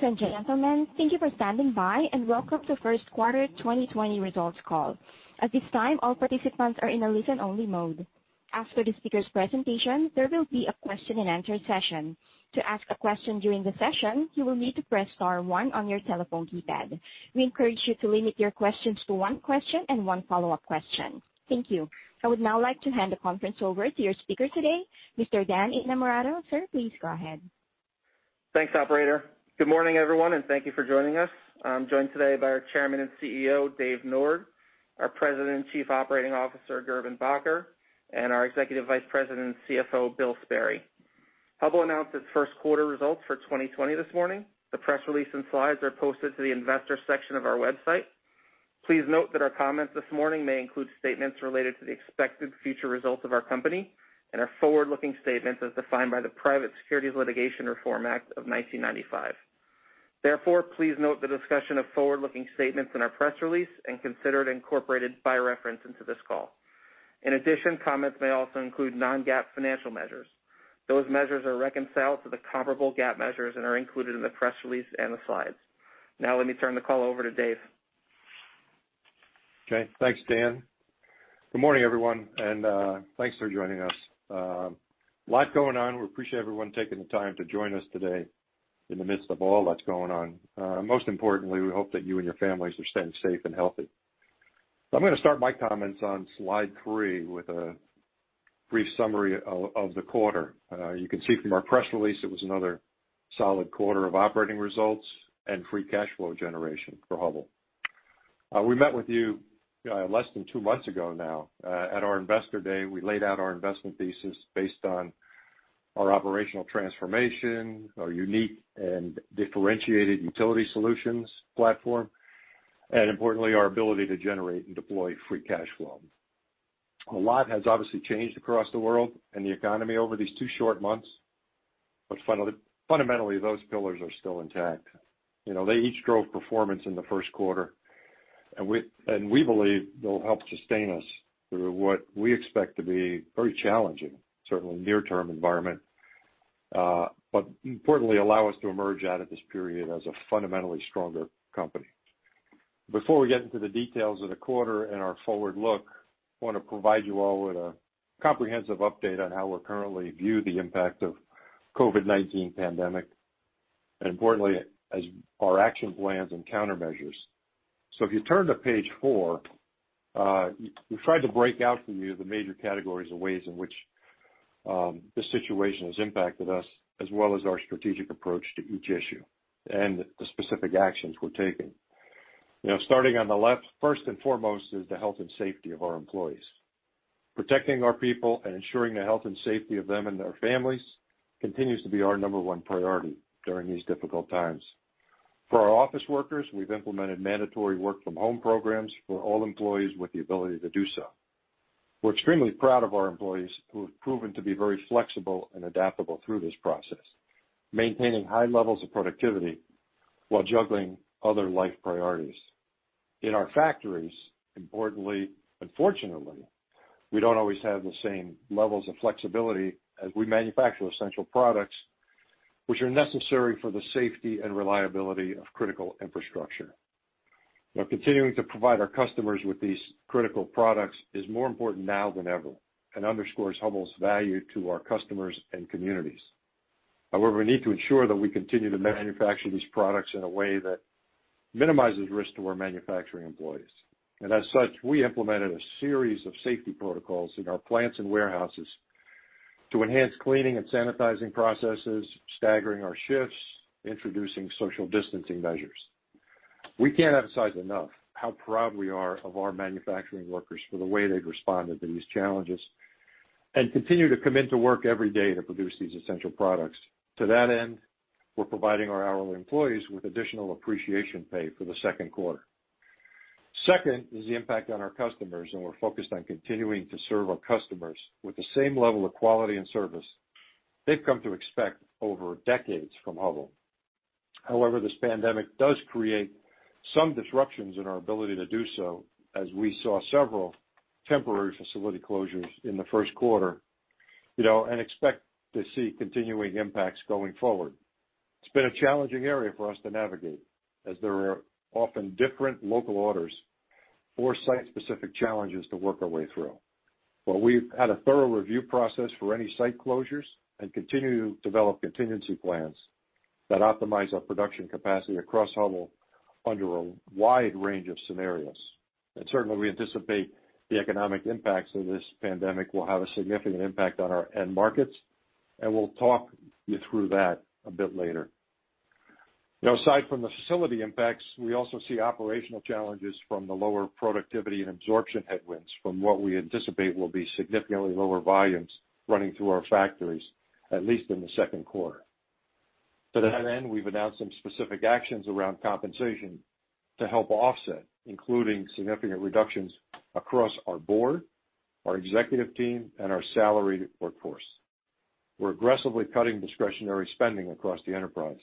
Ladies and gentlemen, thank you for standing by, and welcome to First Quarter 2020 Results Call. At this time, all participants are in a listen-only mode. After the speaker's presentation, there will be a question and answer session. To ask a question during the session, you will need to press star one on your telephone keypad. We encourage you to limit your questions to one question and one follow-up question. Thank you. I would now like to hand the conference over to your speaker today, Mr. Dan Innamorato. Sir, please go ahead. Thanks, operator. Good morning, everyone, and thank you for joining us. I'm joined today by our Chairman and CEO, Dave Nord, our President and Chief Operating Officer, Gerben Bakker, and our Executive Vice President and CFO, Bill Sperry. Hubbell announced its first quarter results for 2020 this morning. The press release and slides are posted to the investor section of our website. Please note that our comments this morning may include statements related to the expected future results of our company and are forward-looking statements as defined by the Private Securities Litigation Reform Act of 1995. Therefore, please note the discussion of forward-looking statements in our press release and consider it incorporated by reference into this call. In addition, comments may also include non-GAAP financial measures. Those measures are reconciled to the comparable GAAP measures and are included in the press release and the slides. Now, let me turn the call over to Dave. Okay. Thanks, Dan. Good morning, everyone, thanks for joining us. A lot going on. We appreciate everyone taking the time to join us today in the midst of all that's going on. Most importantly, we hope that you and your families are staying safe and healthy. I'm going to start my comments on slide three with a brief summary of the quarter. You can see from our press release it was another solid quarter of operating results and free cash flow generation for Hubbell. We met with you less than two months ago now. At our investor day, we laid out our investment thesis based on our operational transformation, our unique and differentiated utility solutions platform, and importantly, our ability to generate and deploy free cash flow. A lot has obviously changed across the world and the economy over these two short months, but fundamentally, those pillars are still intact. They each drove performance in the first quarter, and we believe they'll help sustain us through what we expect to be very challenging, certainly near term environment. Importantly, allow us to emerge out of this period as a fundamentally stronger company. Before we get into the details of the quarter and our forward look, I want to provide you all with a comprehensive update on how we currently view the impact of COVID-19 pandemic, and importantly, as our action plans and countermeasures. If you turn to page four, we tried to break out for you the major categories of ways in which this situation has impacted us, as well as our strategic approach to each issue and the specific actions we're taking. Starting on the left, first and foremost, is the health and safety of our employees. Protecting our people and ensuring the health and safety of them and their families continues to be our number one priority during these difficult times. For our office workers, we've implemented mandatory work from home programs for all employees with the ability to do so. We're extremely proud of our employees who have proven to be very flexible and adaptable through this process, maintaining high levels of productivity while juggling other life priorities. In our factories, importantly, unfortunately, we don't always have the same levels of flexibility as we manufacture essential products which are necessary for the safety and reliability of critical infrastructure. Continuing to provide our customers with these critical products is more important now than ever and underscores Hubbell's value to our customers and communities. We need to ensure that we continue to manufacture these products in a way that minimizes risk to our manufacturing employees. As such, we implemented a series of safety protocols in our plants and warehouses to enhance cleaning and sanitizing processes, staggering our shifts, introducing social distancing measures. We can't emphasize enough how proud we are of our manufacturing workers for the way they've responded to these challenges and continue to come into work every day to produce these essential products. To that end, we're providing our hourly employees with additional appreciation pay for the second quarter. Second is the impact on our customers, we're focused on continuing to serve our customers with the same level of quality and service they've come to expect over decades from Hubbell. This pandemic does create some disruptions in our ability to do so as we saw several temporary facility closures in the first quarter and expect to see continuing impacts going forward. It's been a challenging area for us to navigate as there are often different local orders or site-specific challenges to work our way through. We've had a thorough review process for any site closures and continue to develop contingency plans that optimize our production capacity across Hubbell under a wide range of scenarios. Certainly, we anticipate the economic impacts of this pandemic will have a significant impact on our end markets, and we'll talk you through that a bit later. Aside from the facility impacts, we also see operational challenges from the lower productivity and absorption headwinds from what we anticipate will be significantly lower volumes running through our factories, at least in the second quarter. To that end, we've announced some specific actions around compensation to help offset, including significant reductions across our board, our executive team, and our salaried workforce. We're aggressively cutting discretionary spending across the enterprise.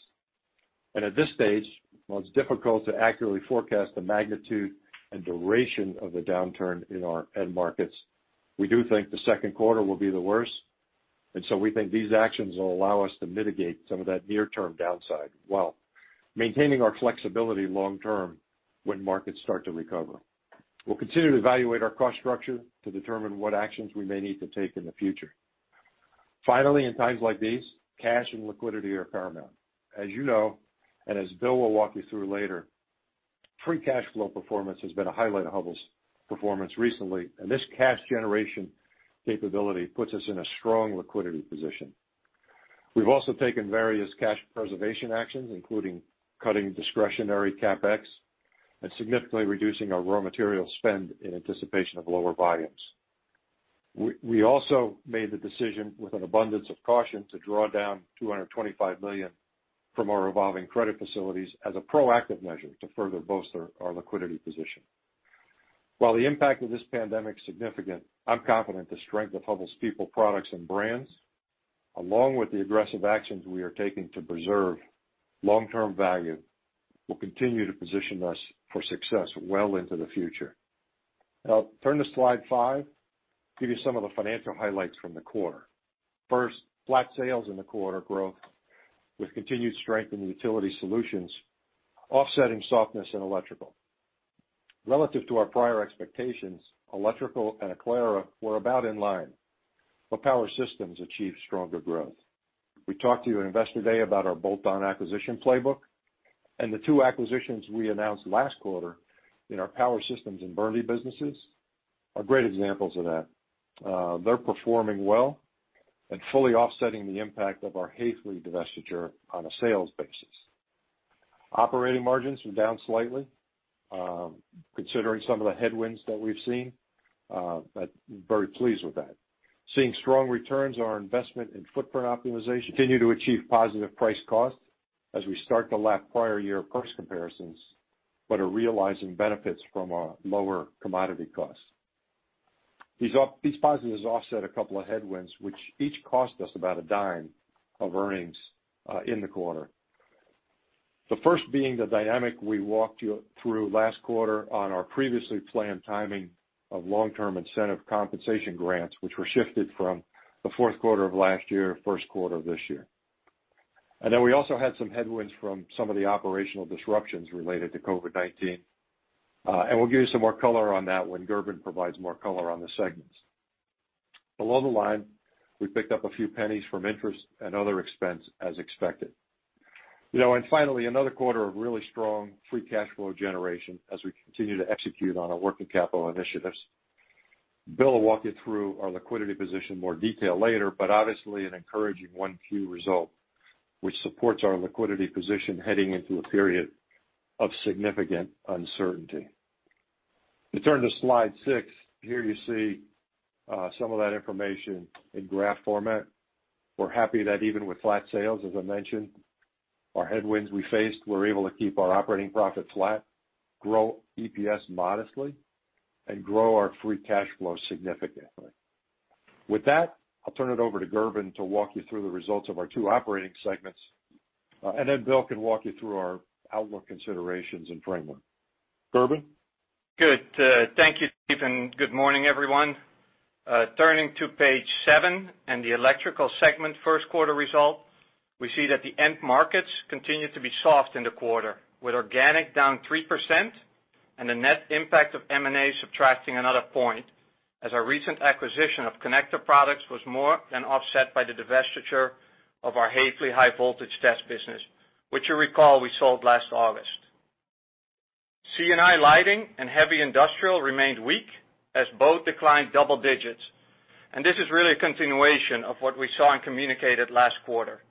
At this stage, while it's difficult to accurately forecast the magnitude and duration of the downturn in our end markets, we do think the second quarter will be the worst. We think these actions will allow us to mitigate some of that near-term downside, while maintaining our flexibility long term when markets start to recover. We'll continue to evaluate our cost structure to determine what actions we may need to take in the future. Finally, in times like these, cash and liquidity are paramount. As you know, and as Bill will walk you through later, free cash flow performance has been a highlight of Hubbell's performance recently, and this cash generation capability puts us in a strong liquidity position. We've also taken various cash preservation actions, including cutting discretionary CapEx and significantly reducing our raw material spend in anticipation of lower volumes. We also made the decision with an abundance of caution to draw down $225 million from our revolving credit facilities as a proactive measure to further bolster our liquidity position. While the impact of this pandemic is significant, I'm confident the strength of Hubbell's people, products and brands, along with the aggressive actions we are taking to preserve long-term value, will continue to position us for success well into the future. Now, turn to slide five, give you some of the financial highlights from the quarter. First, flat sales in the quarter growth, with continued strength in the utility solutions offsetting softness in electrical. Relative to our prior expectations, electrical and Aclara were about in line. Power systems achieved stronger growth. We talked to you at Investor Day about our bolt-on acquisition playbook, and the two acquisitions we announced last quarter in our power systems and Burndy businesses are great examples of that. They're performing well and fully offsetting the impact of our Haefely divestiture on a sales basis. Operating margins were down slightly, considering some of the headwinds that we've seen, but very pleased with that. We are seeing strong returns on our investment in footprint optimization. We continue to achieve positive price costs as we start to lap prior year price comparisons, but are realizing benefits from our lower commodity costs. These positives offset two headwinds, which each cost us about a dime of earnings in the quarter. The first being the dynamic we walked you through last quarter on our previously planned timing of long-term incentive compensation grants, which were shifted from the fourth quarter of last year, first quarter of this year. We also had some headwinds from some of the operational disruptions related to COVID-19. We'll give you some more color on that when Gerben provides more color on the segments. Below the line, we picked up a few pennies from interest and other expense as expected. Finally, another quarter of really strong free cash flow generation as we continue to execute on our working capital initiatives. Bill will walk you through our liquidity position in more detail later, but obviously an encouraging one Q result, which supports our liquidity position heading into a period of significant uncertainty. If you turn to slide six, here you see some of that information in graph format. We're happy that even with flat sales, as I mentioned, our headwinds we faced, we're able to keep our operating profit flat, grow EPS modestly, and grow our free cash flow significantly. With that, I'll turn it over to Gerben to walk you through the results of our two operating segments, and then Bill can walk you through our outlook considerations and framework. Gerben? Good. Thank you, Dave, good morning, everyone. Turning to page seven and the electrical segment first quarter result, we see that the end markets continued to be soft in the quarter, with organic down 3% and the net impact of M&A subtracting another point as our recent acquisition of Connector Products was more than offset by the divestiture of our Haefely high-voltage test business, which you recall we sold last August. C&I lighting and heavy industrial remained weak as both declined double digits, this is really a continuation of what we saw and communicated last quarter.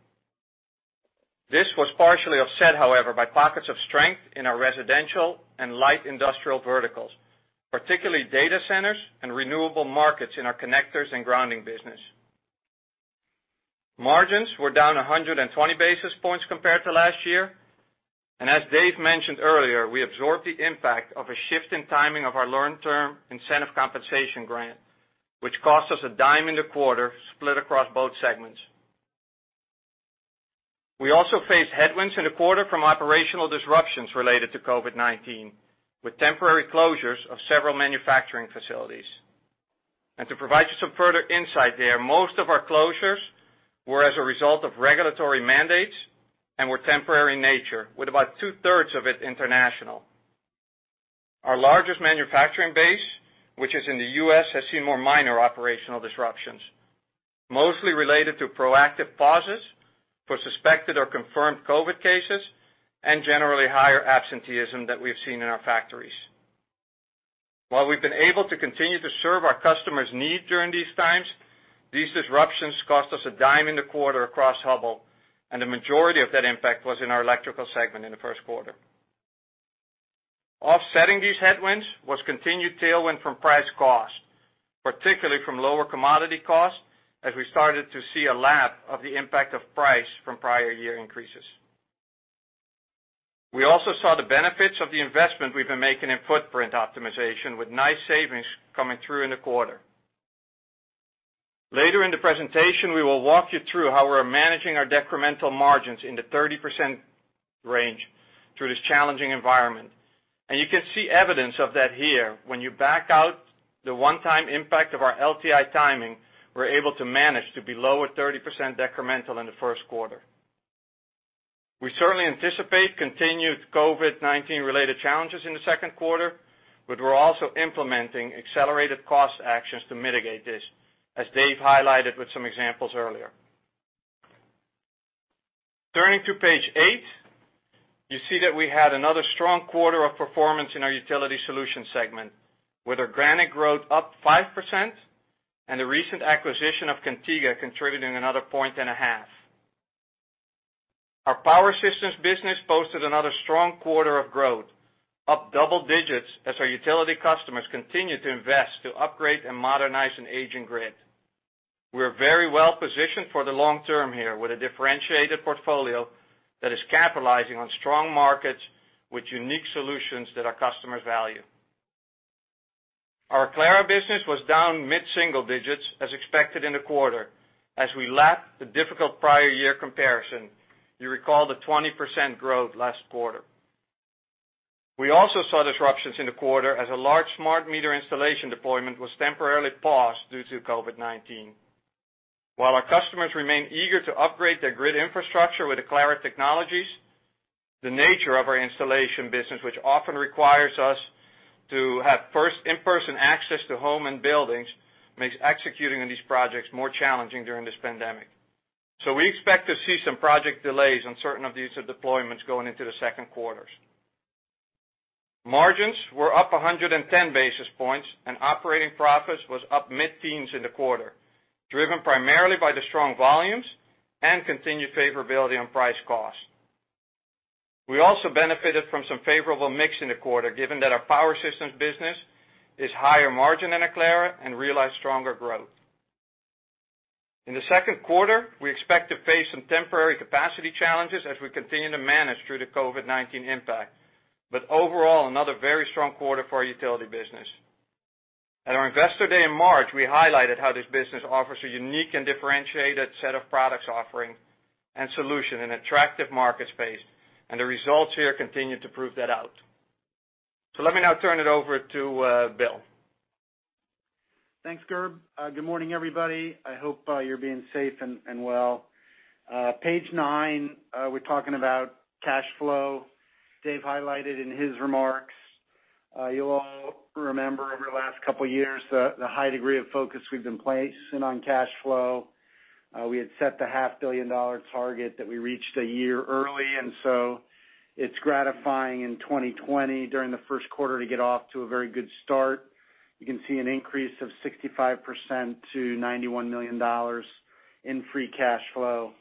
This was partially offset, however, by pockets of strength in our residential and light industrial verticals, particularly data centers and renewable markets in our connectors and grounding business. Margins were down 120 basis points compared to last year. As Dave mentioned earlier, we absorbed the impact of a shift in timing of our long-term incentive compensation grant, which cost us $0.10 in the quarter, split across both segments. We also faced headwinds in the quarter from operational disruptions related to COVID-19, with temporary closures of several manufacturing facilities. To provide you some further insight there, most of our closures were as a result of regulatory mandates and were temporary in nature, with about two-thirds of it international. Our largest manufacturing base, which is in the U.S., has seen more minor operational disruptions, mostly related to proactive pauses for suspected or confirmed COVID cases and generally higher absenteeism that we've seen in our factories. While we've been able to continue to serve our customers' needs during these times, these disruptions cost us $0.10 in the quarter across Hubbell, and the majority of that impact was in our electrical segment in the first quarter. Offsetting these headwinds was continued tailwind from price cost, particularly from lower commodity cost, as we started to see a lap of the impact of price from prior year increases. We also saw the benefits of the investment we've been making in footprint optimization, with nice savings coming through in the quarter. Later in the presentation, we will walk you through how we're managing our decremental margins in the 30% range through this challenging environment. You can see evidence of that here. When you back out the one-time impact of our LTI timing, we're able to manage to be lower 30% decremental in the first quarter. We certainly anticipate continued COVID-19-related challenges in the second quarter. We're also implementing accelerated cost actions to mitigate this, as Dave highlighted with some examples earlier. Turning to page eight, you see that we had another strong quarter of performance in our Utility Solutions segment, with organic growth up 5% and the recent acquisition of Cantega contributing another point and a half. Our Power Systems business posted another strong quarter of growth, up double digits as our utility customers continue to invest to upgrade and modernize an aging grid. We're very well-positioned for the long term here, with a differentiated portfolio that is capitalizing on strong markets with unique solutions that our customers value. Our Aclara business was down mid-single digits as expected in the quarter as we lapped the difficult prior year comparison. You recall the 20% growth last quarter. We also saw disruptions in the quarter as a large smart meter installation deployment was temporarily paused due to COVID-19. While our customers remain eager to upgrade their grid infrastructure with Aclara technologies, the nature of our installation business, which often requires us to have in-person access to home and buildings, makes executing on these projects more challenging during this pandemic. We expect to see some project delays on certain of these deployments going into the second quarters. Margins were up 110 basis points, and operating profits was up mid-teens in the quarter, driven primarily by the strong volumes and continued favorability on price cost. We also benefited from some favorable mix in the quarter given that our Power Systems business is higher margin than Aclara and realized stronger growth. In the second quarter, we expect to face some temporary capacity challenges as we continue to manage through the COVID-19 impact. Overall, another very strong quarter for our utility business. At our Investor Day in March, we highlighted how this business offers a unique and differentiated set of products offering and solution in attractive market space, the results here continue to prove that out. Let me now turn it over to Bill. Thanks, Gerben. Good morning, everybody. I hope you're being safe and well. Page nine, we're talking about cash flow. Dave highlighted in his remarks. You all remember over the last couple of years, the high degree of focus we've been placing on cash flow. We had set the half-billion-dollar target that we reached a year early, and so it's gratifying in 2020 during the first quarter to get off to a very good start. You can see an increase of 65% to $91 million in free cash flow.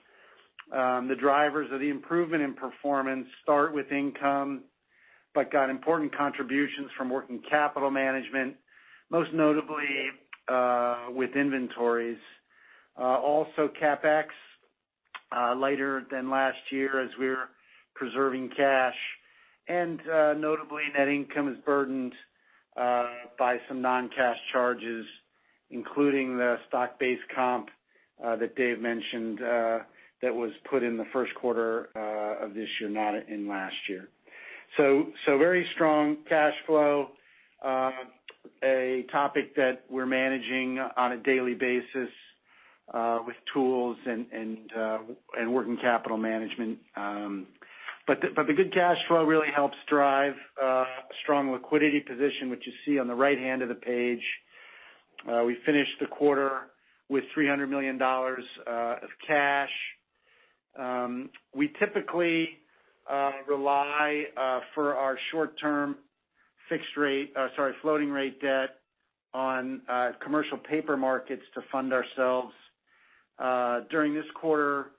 The drivers of the improvement in performance start with income, but got important contributions from working capital management, most notably with inventories. CapEx, later than last year as we're preserving cash, and notably, net income is burdened by some non-cash charges, including the stock-based comp that Dave mentioned that was put in the first quarter of this year, not in last year. Very strong cash flow. A topic that we're managing on a daily basis with tools and working capital management. The good cash flow really helps drive a strong liquidity position, which you see on the right-hand of the page. We finished the quarter with $300 million of cash. We typically rely for our short-term floating rate debt on commercial paper markets to fund ourselves. During this quarter,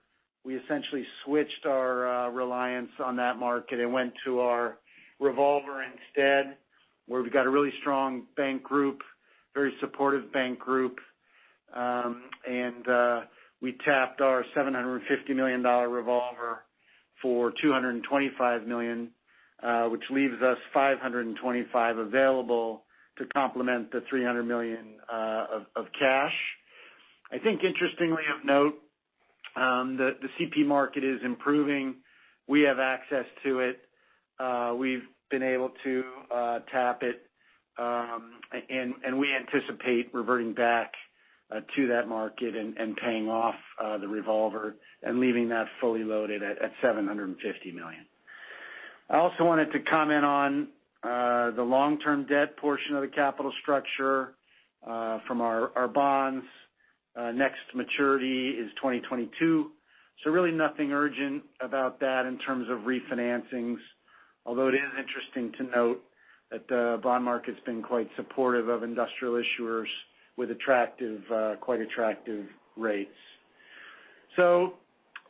we essentially switched our reliance on that market and went to our revolver instead, where we've got a really strong bank group, very supportive bank group. We tapped our $750 million revolver for $225 million, which leaves us $525 million available to complement the $300 million of cash. I think interestingly of note, the CP market is improving. We have access to it. We've been able to tap it, and we anticipate reverting back to that market and paying off the revolver and leaving that fully loaded at $750 million. I also wanted to comment on the long-term debt portion of the capital structure from our bonds. Next maturity is 2022, so really nothing urgent about that in terms of refinancings. Although it is interesting to note that the bond market's been quite supportive of industrial issuers with quite attractive rates.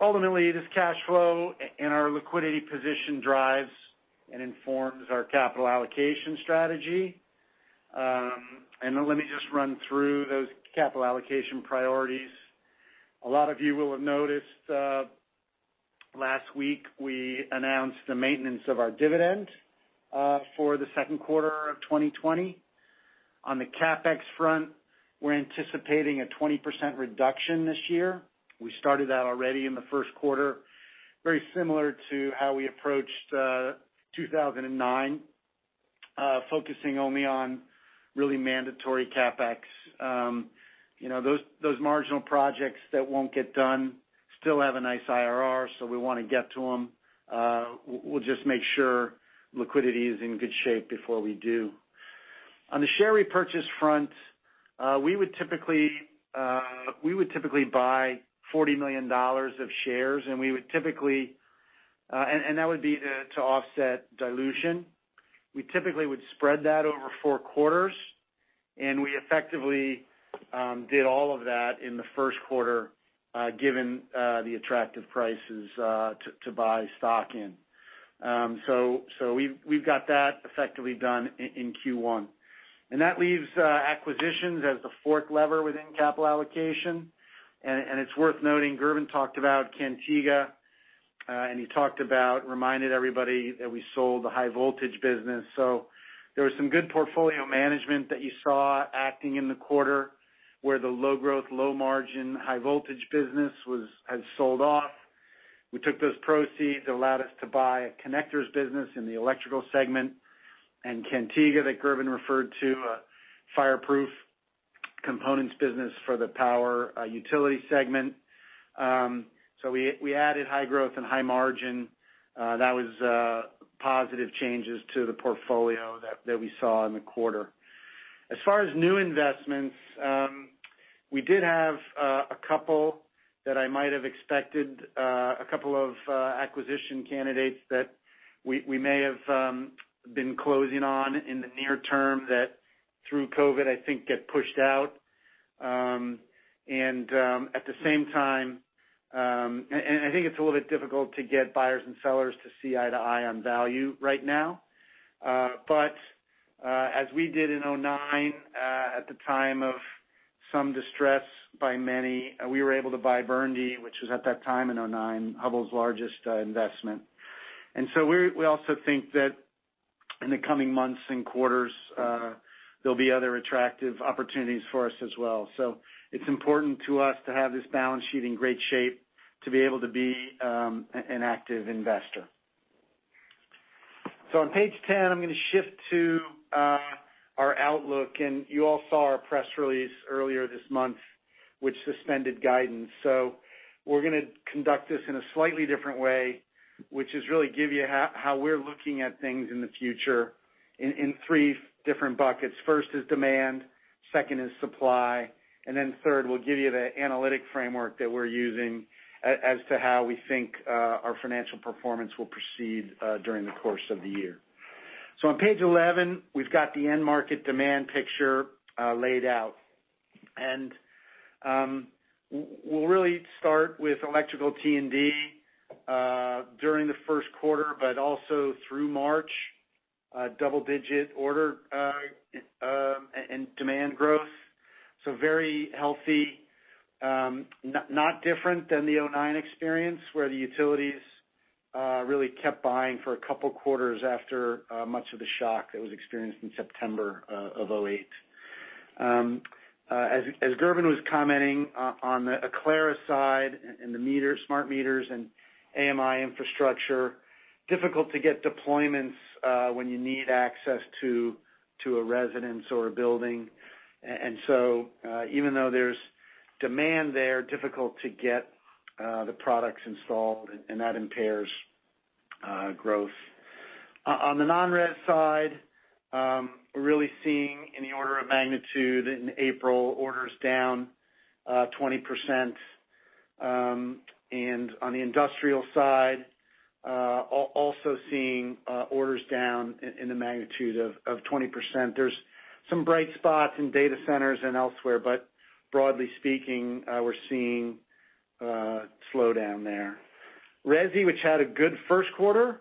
Ultimately, this cash flow and our liquidity position drives and informs our capital allocation strategy. Let me just run through those capital allocation priorities. A lot of you will have noticed, last week, we announced the maintenance of our dividend for the second quarter of 2020. On the CapEx front, we're anticipating a 20% reduction this year. We started out already in the first quarter, very similar to how we approached 2009, focusing only on really mandatory CapEx. Those marginal projects that won't get done still have a nice IRR, so we want to get to them. We'll just make sure liquidity is in good shape before we do. On the share repurchase front, we would typically buy $40 million of shares, and that would be to offset dilution. We typically would spread that over four quarters, and we effectively did all of that in the first quarter, given the attractive prices to buy stock in. We've got that effectively done in Q1. That leaves acquisitions as the fourth lever within capital allocation. It's worth noting, Gerben talked about Cantega, and he reminded everybody that we sold the high voltage business. There was some good portfolio management that you saw acting in the quarter, where the low growth, low margin, high voltage business was sold off. We took those proceeds, allowed us to buy Connector Products, Inc. in the electrical segment, and Cantega, that Gerben referred to, a fireproof components business for the power utility segment. We added high growth and high margin. That was positive changes to the portfolio that we saw in the quarter. As far as new investments, we did have a couple that I might have expected, a couple of acquisition candidates that we may have been closing on in the near term that through COVID-19, I think get pushed out. At the same time, I think it's a little bit difficult to get buyers and sellers to see eye-to-eye on value right now. As we did in 2009, at the time of some distress by many, we were able to buy Burndy, which was at that time in 2009, Hubbell's largest investment. We also think that in the coming months and quarters, there'll be other attractive opportunities for us as well. It's important to us to have this balance sheet in great shape to be able to be an active investor. On page 10, I'm going to shift to our outlook, and you all saw our press release earlier this month, which suspended guidance. We're going to conduct this in a slightly different way, which is really give you how we're looking at things in the future in three different buckets. First is demand, second is supply, then third, we'll give you the analytic framework that we're using as to how we think our financial performance will proceed during the course of the year. On page 11, we've got the end market demand picture laid out. We'll really start with electrical T&D during the first quarter, but also through March, double-digit order and demand growth. Very healthy, not different than the 2009 experience, where the utilities really kept buying for a couple quarters after much of the shock that was experienced in September of 2008. As Gerben was commenting on the Aclara side and the smart meters and AMI infrastructure, difficult to get deployments when you need access to a residence or a building. Even though there's demand there, difficult to get the products installed, and that impairs growth. On the non-resi side, we're really seeing in the order of magnitude in April, orders down 20%. On the industrial side, also seeing orders down in the magnitude of 20%. There's some bright spots in data centers and elsewhere, but broadly speaking, we're seeing a slowdown there. Resi, which had a good first quarter,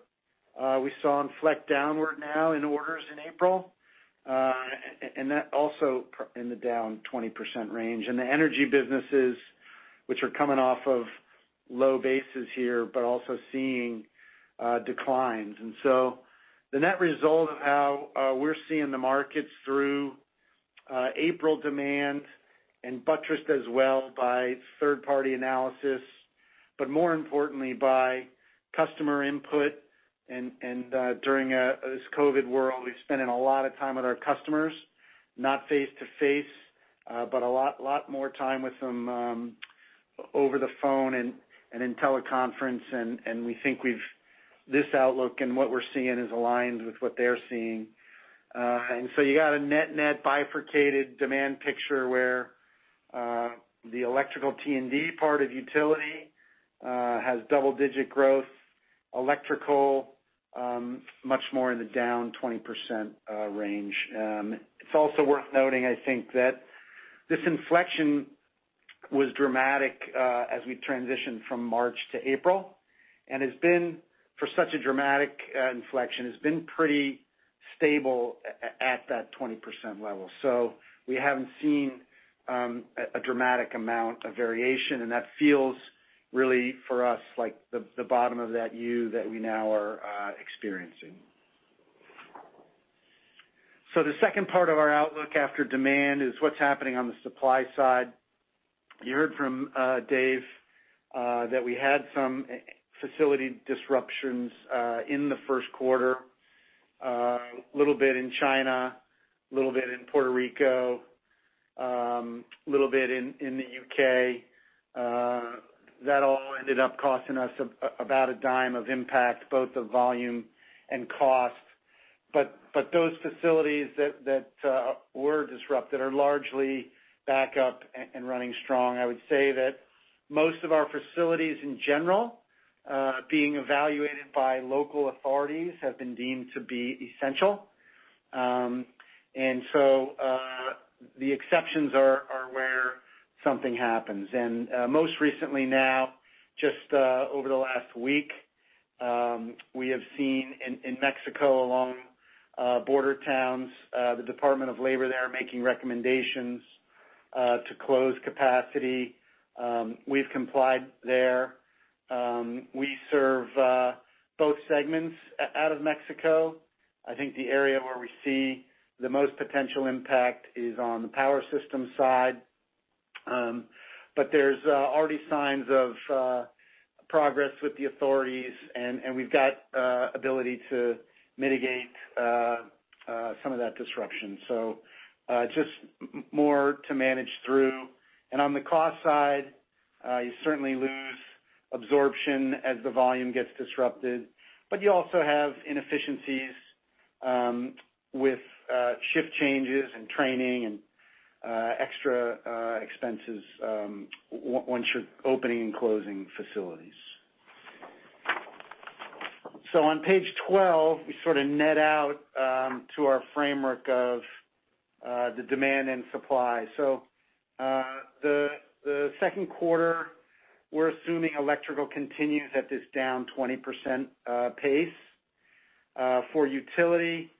we saw inflect downward now in orders in April. That also in the down 20% range. The energy businesses, which are coming off of low bases here, but also seeing declines. The net result of how we're seeing the markets through April demand and buttressed as well by third-party analysis, but more importantly, by customer input. During this COVID-19 world, we've spent a lot of time with our customers, not face-to-face, but a lot more time with them over the phone and in teleconference. We think this outlook and what we're seeing is aligned with what they're seeing. You got a net-net bifurcated demand picture where the electrical T&D part of utility has double-digit growth, electrical, much more in the down 20% range. It's also worth noting, I think, that this inflection was dramatic as we transitioned from March to April, and for such a dramatic inflection, has been pretty stable at that 20% level. We haven't seen a dramatic amount of variation, and that feels really for us like the bottom of that U that we now are experiencing. The second part of our outlook after demand is what's happening on the supply side. You heard from Dave that we had some facility disruptions in the first quarter. A little bit in China, a little bit in Puerto Rico, a little bit in the U.K. That all ended up costing us about a dime of impact, both of volume and cost. Those facilities that were disrupted are largely back up and running strong. I would say that most of our facilities in general being evaluated by local authorities have been deemed to be essential. The exceptions are where something happens. Most recently now, just over the last week, we have seen in Mexico along border towns, the Department of Labor there making recommendations to close capacity. We've complied there. We serve both segments out of Mexico. I think the area where we see the most potential impact is on the Power Systems side. There's already signs of progress with the authorities, and we've got ability to mitigate some of that disruption. Just more to manage through. On the cost side, you certainly lose absorption as the volume gets disrupted, but you also have inefficiencies with shift changes and training and extra expenses once you're opening and closing facilities. On page 12, we sort of net out to our framework of the demand and supply. The second quarter, we're assuming electrical continues at this down 20% pace. For utility,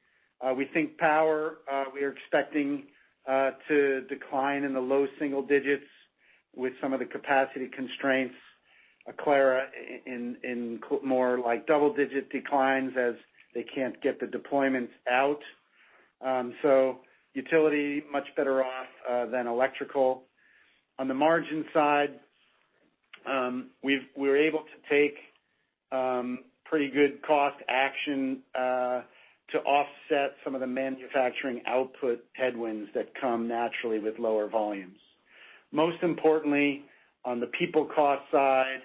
we think power we are expecting to decline in the low single digits with some of the capacity constraints. Aclara in more like double-digit declines as they can't get the deployments out. Utility, much better off than electrical. On the margin side, we're able to take pretty good cost action to offset some of the manufacturing output headwinds that come naturally with lower volumes. Most importantly, on the people cost side,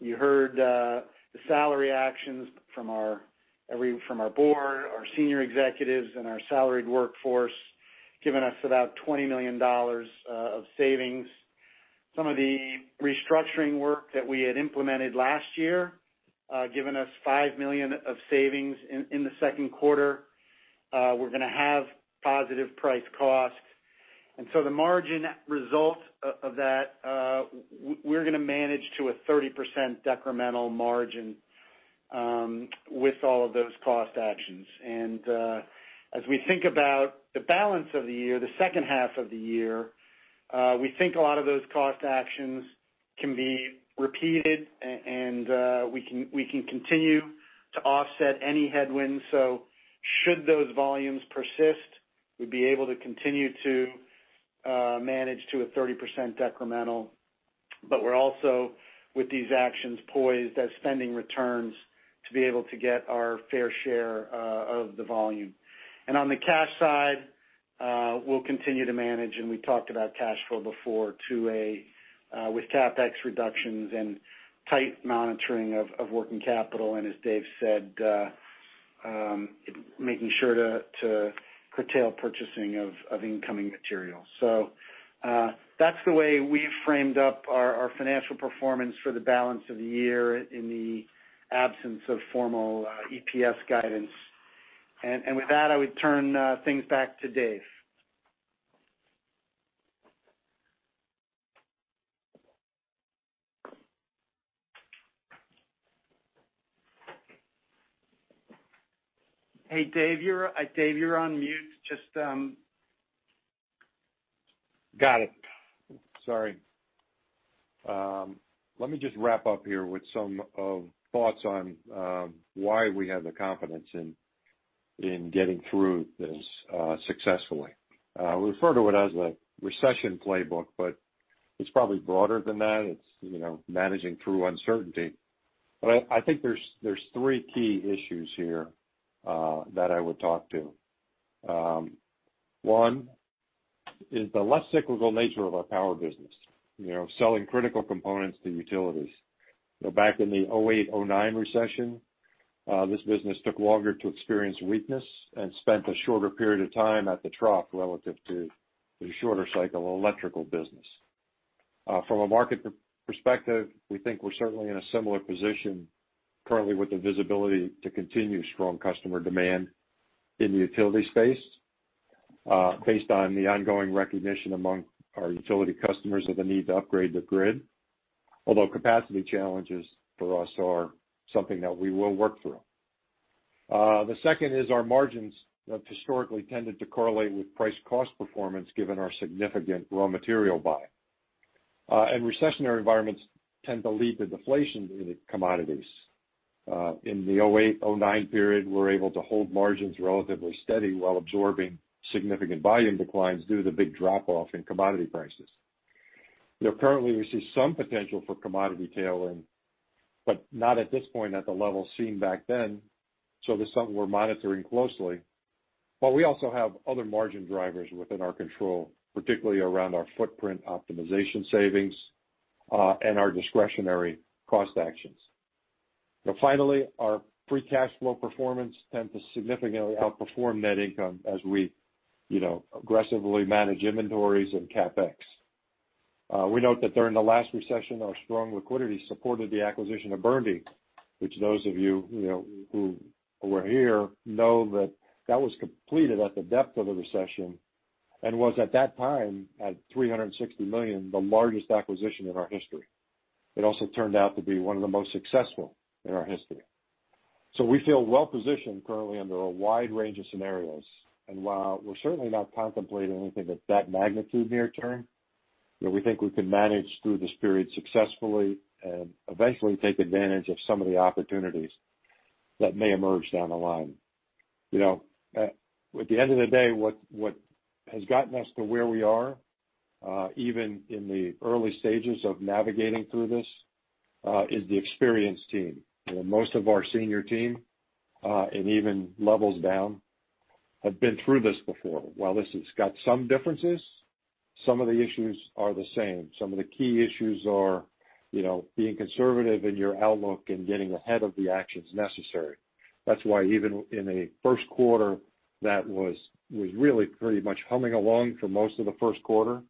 you heard the salary actions from our board, our senior executives, and our salaried workforce giving us about $20 million of savings. Some of the restructuring work that we had implemented last year, giving us $5 million of savings in the second quarter. We're going to have positive price costs. The margin result of that, we're going to manage to a 30% decremental margin with all of those cost actions. As we think about the balance of the year, the second half of the year, we think a lot of those cost actions can be repeated, and we can continue to offset any headwinds. Should those volumes persist, we'd be able to continue to manage to a 30% decremental. We're also, with these actions, poised as spending returns to be able to get our fair share of the volume. On the cash side, we'll continue to manage, and we talked about cash flow before, with CapEx reductions and tight monitoring of working capital, and as Dave said, making sure to curtail purchasing of incoming materials. That's the way we've framed up our financial performance for the balance of the year in the absence of formal EPS guidance. With that, I would turn things back to Dave. Hey, Dave, you're on mute. Got it. Sorry. Let me just wrap up here with some thoughts on why we have the confidence in getting through this successfully. We refer to it as a recession playbook, it's probably broader than that. It's managing through uncertainty. I think there's three key issues here that I would talk to. One is the less cyclical nature of our power business. Selling critical components to utilities. Back in the 2008-2009 recession, this business took longer to experience weakness and spent a shorter period of time at the trough relative to the shorter cycle electrical business. From a market perspective, we think we're certainly in a similar position currently with the visibility to continue strong customer demand in the utility space. Based on the ongoing recognition among our utility customers of the need to upgrade the grid, although capacity challenges for us are something that we will work through. The second is our margins have historically tended to correlate with price-cost performance given our significant raw material buy. Recessionary environments tend to lead to deflation in the commodities. In the 2008, 2009 period, we're able to hold margins relatively steady while absorbing significant volume declines due to the big drop-off in commodity prices. Currently, we see some potential for commodity tailing, but not at this point at the level seen back then, so that's something we're monitoring closely. We also have other margin drivers within our control, particularly around our footprint optimization savings, and our discretionary cost actions. Finally, our free cash flow performance tend to significantly outperform net income as we aggressively manage inventories and CapEx. We note that during the last recession, our strong liquidity supported the acquisition of Burndy, which those of you who were here know that that was completed at the depth of the recession and was at that time, at $360 million, the largest acquisition in our history. It also turned out to be one of the most successful in our history. We feel well-positioned currently under a wide range of scenarios, and while we're certainly not contemplating anything of that magnitude near-term, we think we can manage through this period successfully and eventually take advantage of some of the opportunities that may emerge down the line. At the end of the day, what has gotten us to where we are, even in the early stages of navigating through this, is the experienced team. Most of our senior team, and even levels down, have been through this before. While this has got some differences, some of the issues are the same. Some of the key issues are being conservative in your outlook and getting ahead of the actions necessary. That's why even in a first quarter, that was really pretty much humming along for most of the first quarter.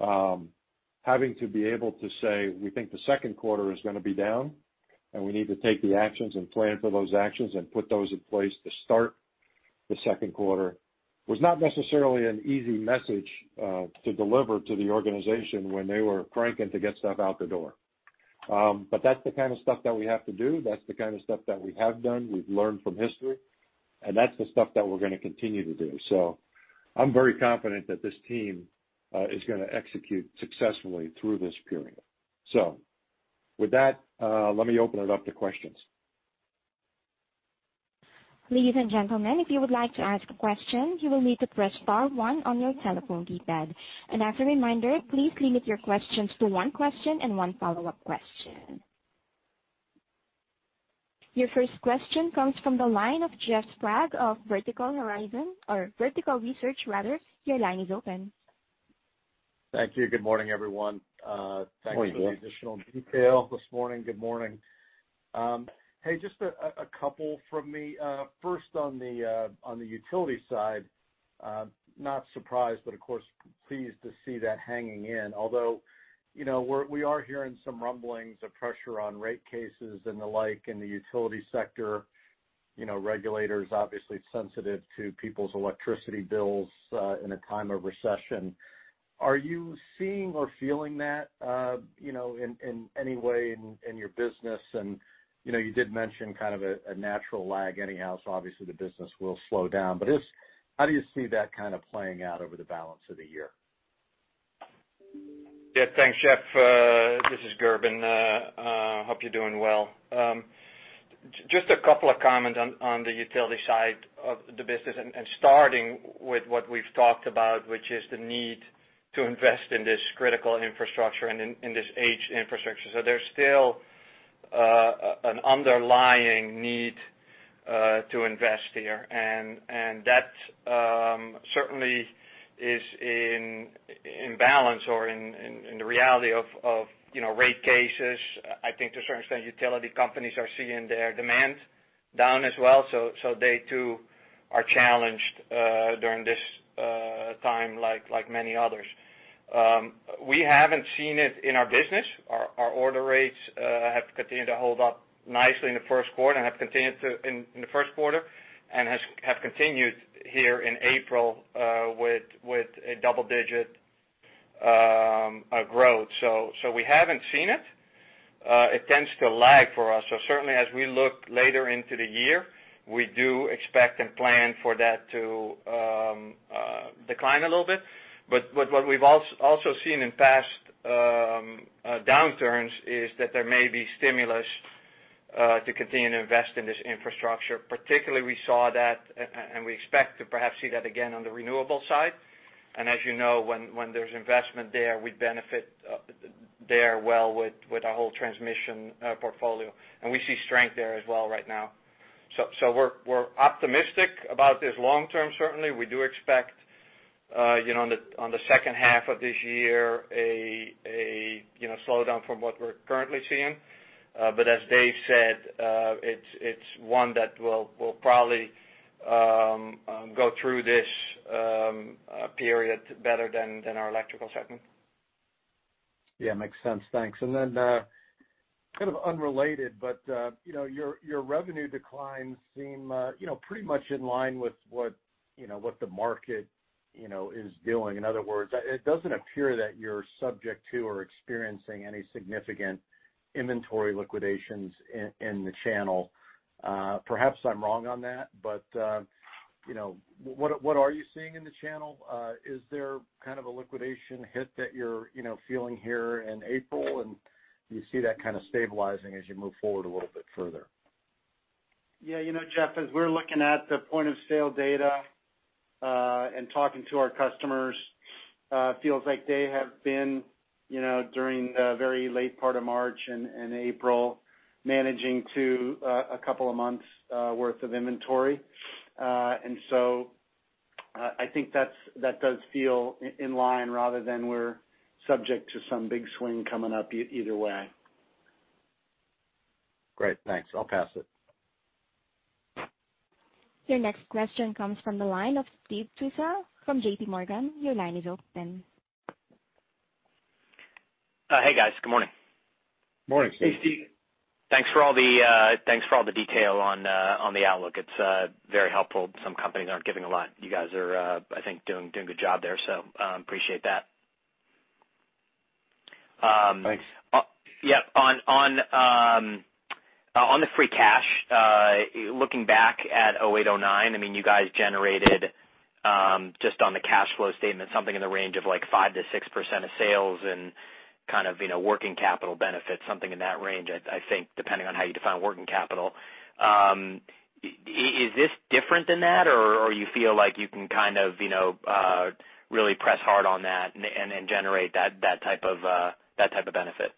Having to be able to say, we think the second quarter is going to be down, we need to take the actions and plan for those actions and put those in place to start the second quarter was not necessarily an easy message to deliver to the organization when they were cranking to get stuff out the door. That's the kind of stuff that we have to do. That's the kind of stuff that we have done. We've learned from history, that's the stuff that we're going to continue to do. I'm very confident that this team is going to execute successfully through this period. With that, let me open it up to questions. Ladies and gentlemen, if you would like to ask a question, you will need to press star one on your telephone keypad. As a reminder, please limit your questions to one question and one follow-up question. Your first question comes from the line of Jeff Sprague of Vertical Horizon or Vertical Research, rather. Your line is open. Thank you. Good morning, everyone. Morning, Jeff. Thanks for the additional detail this morning. Good morning. Hey, just a couple from me. First, on the utility side, not surprised, but of course, pleased to see that hanging in. Although, we are hearing some rumblings of pressure on rate cases and the like in the utility sector. Regulators obviously sensitive to people's electricity bills in a time of recession. Are you seeing or feeling that in any way in your business? You did mention kind of a natural lag anyhow, so obviously the business will slow down. How do you see that kind of playing out over the balance of the year? Yeah. Thanks, Jeff. This is Gerben. Hope you're doing well. Just a couple of comments on the utility side of the business, and starting with what we've talked about, which is the need to invest in this critical infrastructure and in this aged infrastructure. There's still an underlying need to invest here, and that certainly is in balance or in the reality of rate cases. I think to a certain extent, utility companies are seeing their demand down as well. They too are challenged during this time like many others. We haven't seen it in our business. Our order rates have continued to hold up nicely in the first quarter and have continued here in April with a double-digit growth. We haven't seen it. It tends to lag for us. Certainly, as we look later into the year, we do expect and plan for that to decline a little bit. What we've also seen in past downturns is that there may be stimulus to continue to invest in this infrastructure. Particularly, we saw that, and we expect to perhaps see that again on the renewable side. As you know, when there's investment there, we benefit there well with our whole transmission portfolio. We see strength there as well right now. We're optimistic about this long term. Certainly, we do expect on the second half of this year a slowdown from what we're currently seeing. As Dave said, it's one that will probably go through this period better than our electrical segment. Yeah, makes sense. Thanks. Kind of unrelated, but your revenue declines seem pretty much in line with what the market is doing. In other words, it doesn't appear that you're subject to or experiencing any significant inventory liquidations in the channel. Perhaps I'm wrong on that, but what are you seeing in the channel? Is there kind of a liquidation hit that you're feeling here in April, and do you see that kind of stabilizing as you move forward a little bit further? Yeah, Jeff, as we're looking at the point of sale data, and talking to our customers, feels like they have been, during the very late part of March and April, managing to a couple of months worth of inventory. I think that does feel in line rather than we're subject to some big swing coming up either way. Great, thanks. I'll pass it. Your next question comes from the line of Steve Tusa from JPMorgan. Your line is open. Hey, guys. Good morning. Morning, Steve. Hey, Steve. Thanks for all the detail on the outlook. It's very helpful. Some companies aren't giving a lot. You guys are, I think doing a good job there, so appreciate that. Thanks. Yep. On the free cash, looking back at 2008, 2009, you guys generated, just on the cash flow statement, something in the range of 5%-6% of sales and kind of working capital benefits, something in that range, I think, depending on how you define working capital. Is this different than that, or you feel like you can kind of really press hard on that and generate that type of benefit?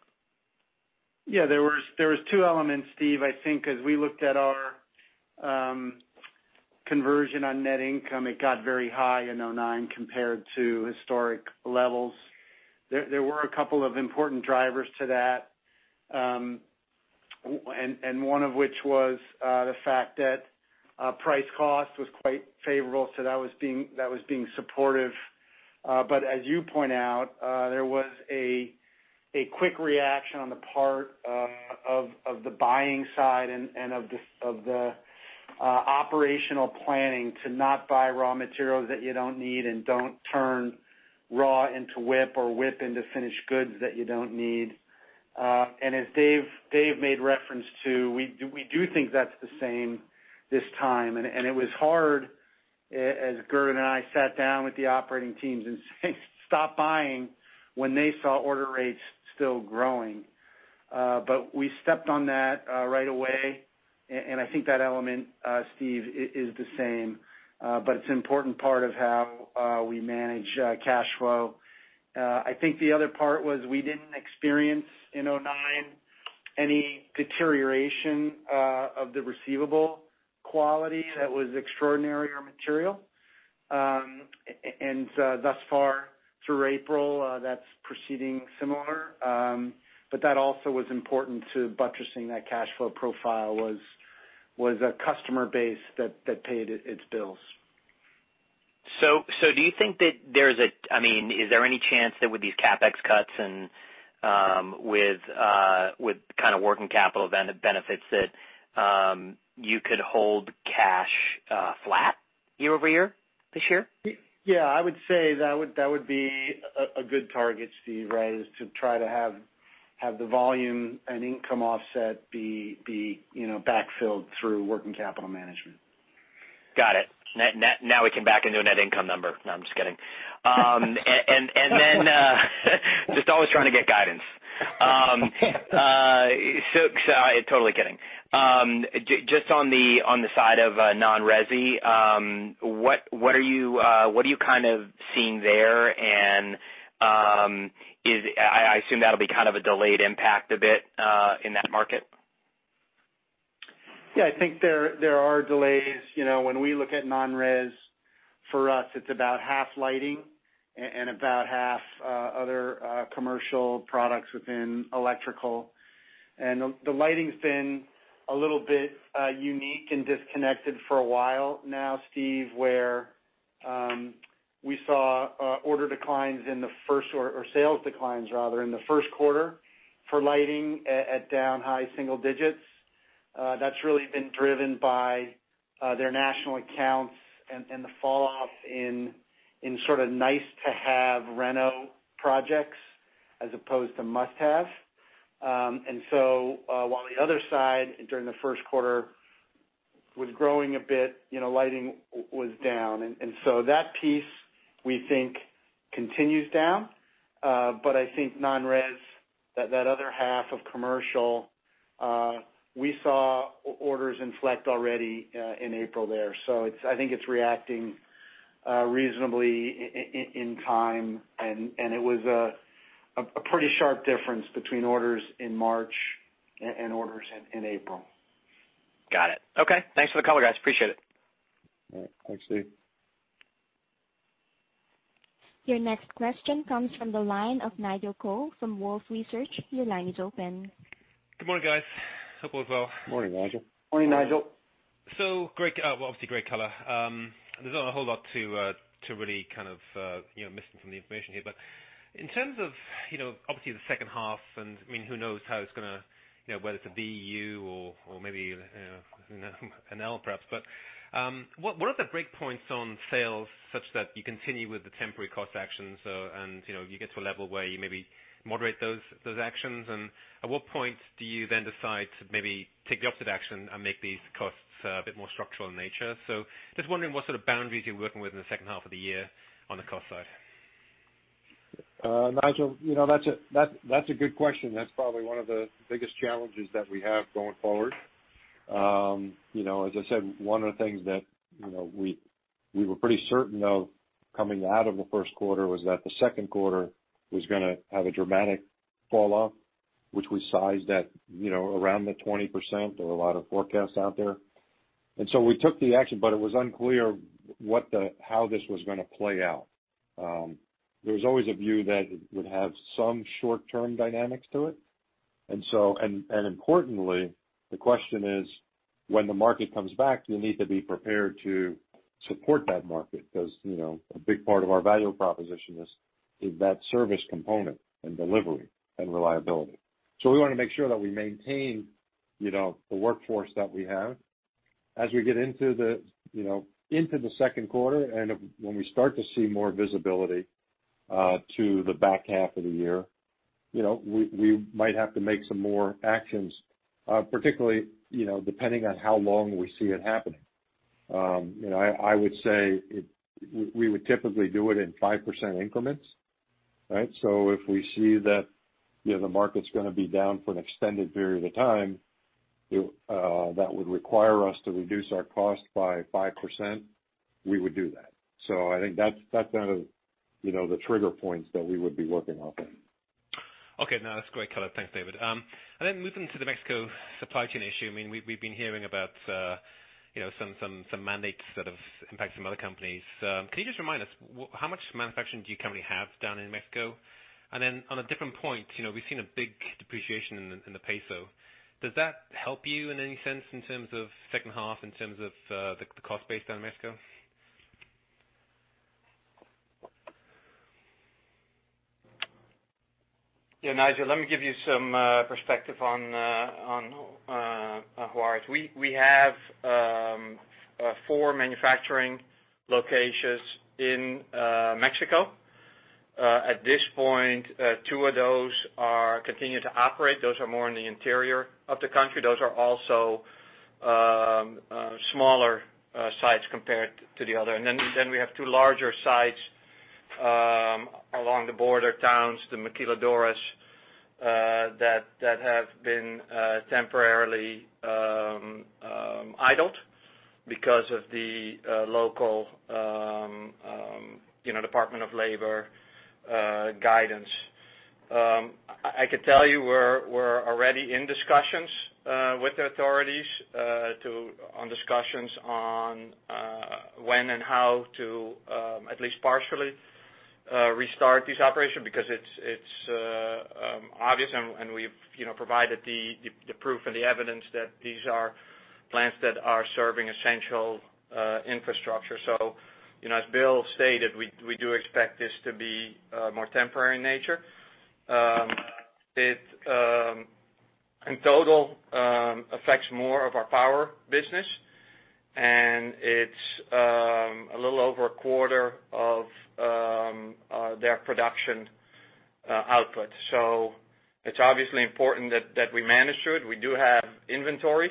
There was two elements, Steve. I think as we looked at our conversion on net income, it got very high in 2009 compared to historic levels. There were a couple of important drivers to that, and one of which was the fact that price cost was quite favorable. As you point out, there was a quick reaction on the part of the buying side and of the operational planning to not buy raw materials that you don't need and don't turn raw into WIP or WIP into finished goods that you don't need. As Dave made reference to, we do think that's the same this time. It was hard, as Gert and I sat down with the operating teams and saying stop buying when they saw order rates still growing. We stepped on that right away, and I think that element, Steve, is the same, but it's an important part of how we manage cash flow. I think the other part was we didn't experience in 2009 any deterioration of the receivable quality that was extraordinary or material. Thus far through April, that's proceeding similar. That also was important to buttressing that cash flow profile was a customer base that paid its bills. Do you think that there's any chance that with these CapEx cuts and with kind of working capital benefits that you could hold cash flat year-over-year this year? Yeah, I would say that would be a good target, Steve, right? Is to try to have the volume and income offset be backfilled through working capital management. Got it. Now we can back into a net income number. No, I'm just kidding. Just always trying to get guidance. Totally kidding. Just on the side of non-resi, what are you kind of seeing there, and I assume that'll be kind of a delayed impact a bit in that market. Yeah, I think there are delays. When we look at non-resi, for us, it's about half lighting and about half other commercial products within electrical. The lighting's been a little bit unique and disconnected for a while now, Steve, where we saw order declines or sales declines rather, in the first quarter for lighting at down high single digits. That's really been driven by their national accounts and the falloff in sort of nice to have reno projects as opposed to must-have. While the other side during the first quarter was growing a bit, lighting was down. I think non-res, that other half of commercial, we saw orders inflect already in April there. I think it's reacting reasonably in time, and it was a pretty sharp difference between orders in March and orders in April. Got it. Okay, thanks for the color, guys. Appreciate it. All right. Thanks, Steve. Your next question comes from the line of Nigel Coe from Wolfe Research. Your line is open. Good morning, guys. Hope all is well. Morning, Nigel. Morning, Nigel. Obviously great color. There's not a whole lot to really kind of missing from the information here. In terms of obviously the second half, and who knows how it's going to, whether it's a B, U, or maybe an L perhaps, but what are the break points on sales such that you continue with the temporary cost actions, and you get to a level where you maybe moderate those actions? At what point do you then decide to maybe take the opposite action and make these costs a bit more structural in nature? Just wondering what sort of boundaries you're working with in the second half of the year on the cost side. Nigel, that's a good question. That's probably one of the biggest challenges that we have going forward. As I said, one of the things that we were pretty certain of coming out of the first quarter was that the second quarter was going to have a dramatic fall off, which we sized at around the 20%. There were a lot of forecasts out there. We took the action, but it was unclear how this was going to play out. There's always a view that it would have some short-term dynamics to it. Importantly, the question is, when the market comes back, you need to be prepared to support that market because a big part of our value proposition is that service component and delivery and reliability. We want to make sure that we maintain the workforce that we have. As we get into the second quarter, and when we start to see more visibility to the back half of the year, we might have to make some more actions, particularly, depending on how long we see it happening. I would say we would typically do it in 5% increments, right? If we see that the market's going to be down for an extended period of time, that would require us to reduce our cost by 5%, we would do that. I think that's kind of the trigger points that we would be working off of. Okay. No, that's great color. Thanks, Dave. Moving to the Mexico supply chain issue. We've been hearing about some mandates that have impacted some other companies. Can you just remind us, how much manufacturing do you currently have down in Mexico? On a different point, we've seen a big depreciation in the peso. Does that help you in any sense in terms of second half, in terms of the cost base down in Mexico? Yeah, Nigel, let me give you some perspective on Juarez. We have four manufacturing locations in Mexico. At this point, two of those continue to operate. Those are more in the interior of the country. Those are also smaller sites compared to the other. We have two larger sites along the border towns, the maquiladoras, that have been temporarily idled because of the local Department of Labor guidance. I could tell you we're already in discussions with the authorities on discussions on when and how to at least partially restart this operation because it's obvious and we've provided the proof and the evidence that these are plants that are serving essential infrastructure. As Bill stated, we do expect this to be more temporary in nature. It, in total, affects more of our power business, and it's a little over a quarter of their production output. It's obviously important that we manage through it. We do have inventory,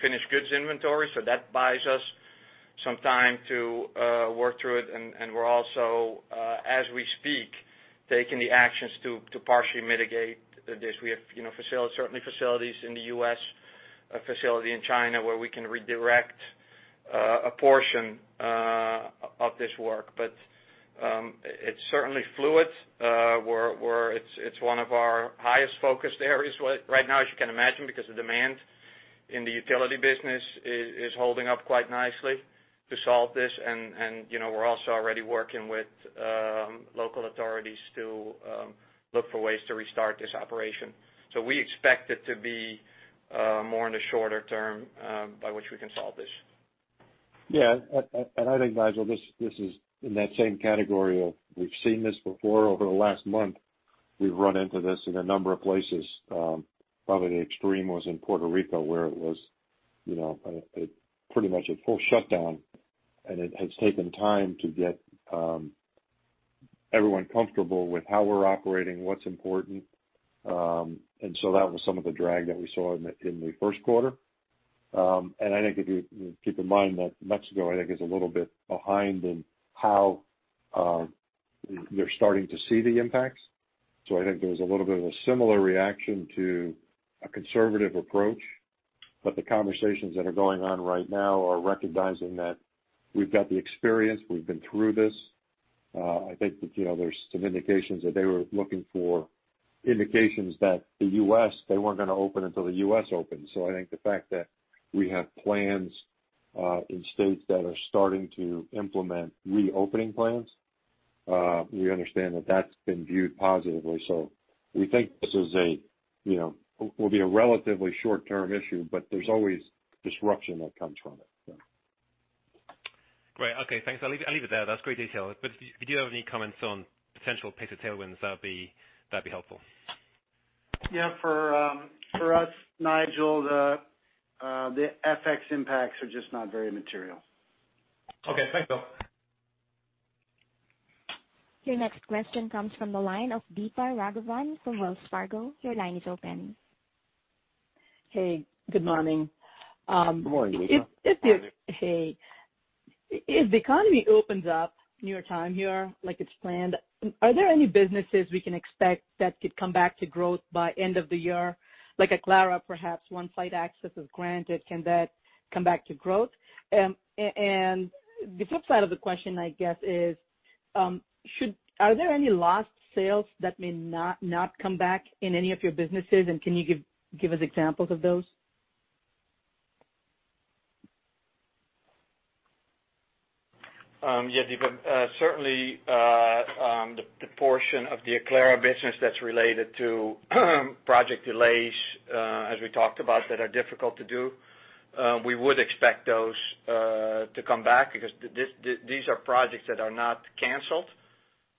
finished goods inventory, so that buys us some time to work through it, and we're also, as we speak, taking the actions to partially mitigate this. We have certainly facilities in the U.S., a facility in China where we can redirect a portion of this work. It's certainly fluid, where it's one of our highest focused areas right now, as you can imagine, because the demand in the utility business is holding up quite nicely to solve this. We're also already working with local authorities to look for ways to restart this operation. We expect it to be more in the shorter term by which we can solve this. Yeah. I think, Nigel, this is in that same category of we've seen this before. Over the last month, we've run into this in a number of places. Probably the extreme was in Puerto Rico where it was pretty much a full shutdown, and it has taken time to get everyone comfortable with how we're operating, what's important. That was some of the drag that we saw in the first quarter. I think if you keep in mind that Mexico is a little bit behind in how they're starting to see the impacts. I think there's a little bit of a similar reaction to a conservative approach, but the conversations that are going on right now are recognizing that we've got the experience, we've been through this. I think that there's some indications that they were looking for indications that the U.S.- they weren't going to open until the U.S. opened. I think the fact that we have plans in states that are starting to implement reopening plans We understand that that's been viewed positively. We think this will be a relatively short-term issue, but there's always disruption that comes from it. Yeah. Great. Okay, thanks. I'll leave it there. That's great detail. If you do have any comments on potential payer tailwinds, that'd be helpful. Yeah. For us, Nigel, the FX impacts are just not very material. Okay, thanks. Your next question comes from the line of Deepa Raghavan from Wells Fargo. Your line is open. Hey, good morning. Good morning, Deepa. Hey. If the economy opens up in your time here, like it's planned, are there any businesses we can expect that could come back to growth by end of the year? Like Aclara, perhaps, once site access is granted, can that come back to growth? The flip side of the question, I guess, is are there any lost sales that may not come back in any of your businesses? Can you give us examples of those? Yeah, Deepa. Certainly, the portion of the Aclara business that's related to project delays, as we talked about, that are difficult to do, we would expect those to come back because these are projects that are not canceled,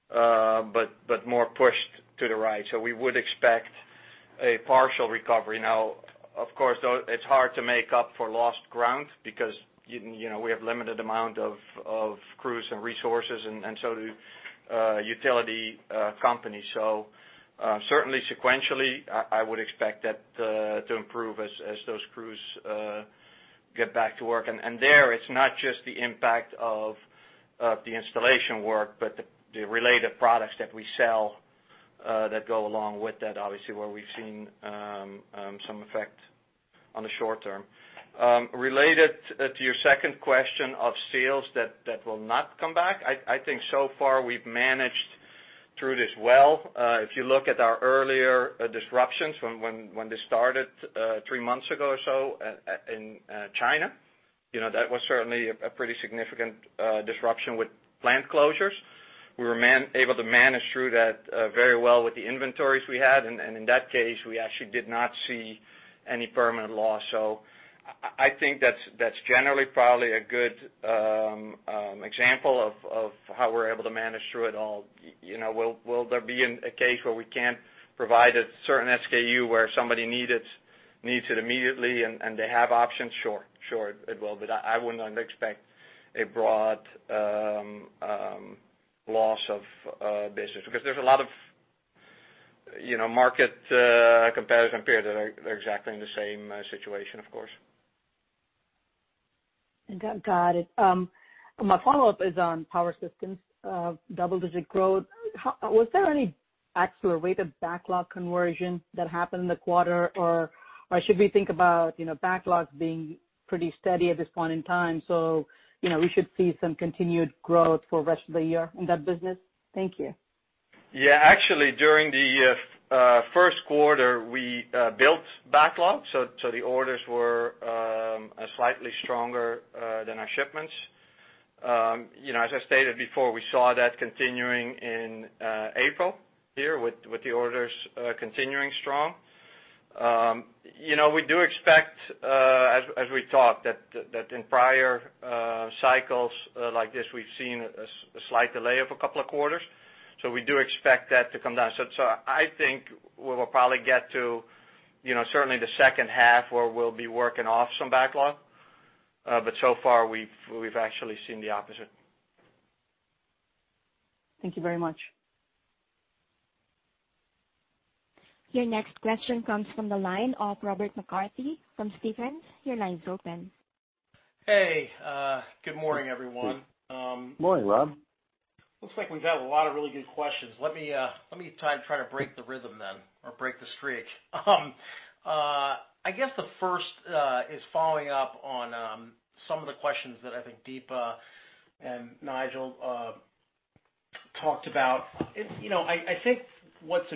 but more pushed to the right. We would expect a partial recovery. Now, of course, it's hard to make up for lost ground because we have limited amount of crews and resources and so do utility companies. Certainly sequentially, I would expect that to improve as those crews get back to work. There, it's not just the impact of the installation work, but the related products that we sell that go along with that, obviously, where we've seen some effect on the short term. Related to your second question of sales that will not come back, I think so far we've managed through this well. If you look at our earlier disruptions from when this started three months ago or so in China, that was certainly a pretty significant disruption with plant closures. We were able to manage through that very well with the inventories we had. In that case, we actually did not see any permanent loss. I think that's generally probably a good example of how we're able to manage through it all. Will there be a case where we can't provide a certain SKU where somebody needs it immediately, and they have options? Sure, it will. I would not expect a broad loss of business because there's a lot of market comparison peers that are exactly in the same situation, of course. Got it. My follow-up is on Power Systems, double-digit growth. Was there any accelerated backlog conversion that happened in the quarter, or should we think about backlogs being pretty steady at this point in time, so we should see some continued growth for rest of the year in that business? Thank you. Yeah. Actually, during the first quarter, we built backlog. The orders were slightly stronger than our shipments. As I stated before, we saw that continuing in April here with the orders continuing strong. We do expect, as we talked, that in prior cycles like this, we've seen a slight delay of a couple of quarters. We do expect that to come down. I think we will probably get to certainly the second half where we'll be working off some backlog. So far, we've actually seen the opposite. Thank you very much. Your next question comes from the line of Robert McCarthy from Stephens. Your line is open. Hey. Good morning, everyone. Morning, Rob. Looks like we've had a lot of really good questions. Let me try to break the rhythm then, or break the streak. I guess the first is following up on some of the questions that I think Deepa and Nigel talked about. I think what's